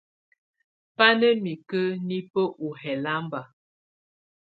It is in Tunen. Bá ná mikǝ́ nibǝ́ u hɛlamba.